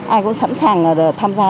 ai cũng sẵn sàng tham gia